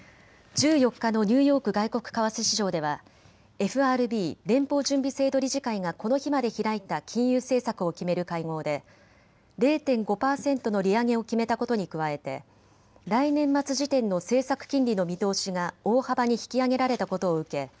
１４日のニューヨーク外国為替市場ではＦＲＢ・連邦準備制度理事会がこの日まで開いた金融政策を決める会合で０．５％の利上げを決めたことに加えて来年末時点の政策金利の見通しが大幅に引き上げられたことを受け